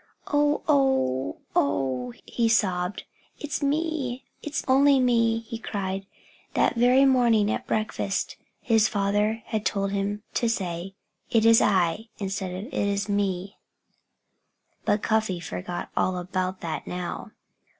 "Oh! oh! oh!" he sobbed. "It's me it's only me!" he cried. That very morning, at breakfast, his father had told him to say "It is I," instead of "It is me." But Cuffy forgot all about that, now.